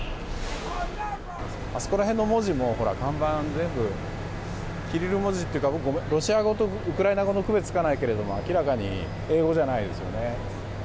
あそこら辺の文字も看板、全部がキリル文字みたいなロシア語とウクライナ語の区別がつかないけど明らかに英語じゃないですよね。